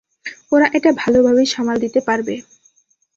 ওরা এটা ভালোভাবেই সামাল দিতে পারবে।